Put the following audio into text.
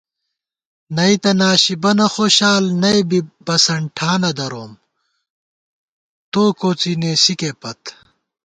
نئیتہ ناشی بَنہ خوشال نئ بی بسَنٹھانہ دروم، تو کوڅی نېسِکےپت